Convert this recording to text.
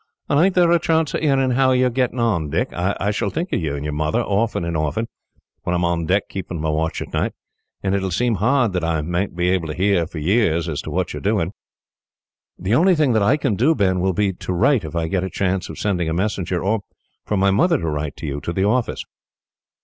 "And ain't there a chance of hearing how you are getting on, Dick? I shall think of you and your mother, often and often, when I am on deck keeping my watch at night; and it will seem hard that I mayn't be able to hear, for years, as to what you are doing." "The only thing that I can do, Ben, will be to write if I get a chance of sending a messenger, or for my mother to write to you, to the office."